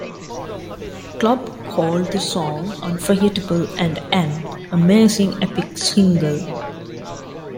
Club" called the song unforgettable and an "amazing epic single".